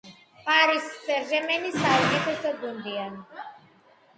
პარისერჟემენი საუკეტესო გუნდია